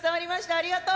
ありがとう。